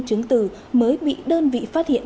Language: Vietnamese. chứng từ mới bị đơn vị phát hiện